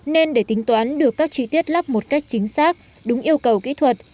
nên để tính toán được các chi tiết lắp một cách chính xác đúng yêu cầu kỹ thuật